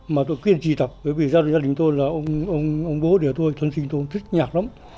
mà tôi kiên trì tập bởi vì gia đình tôi là ông bố đẻ tôi thân sinh tôi thích nhạc lắm